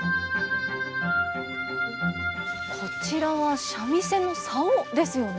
こちらは三味線の棹ですよね。